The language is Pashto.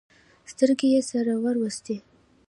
سترګې يې سره ور وستې.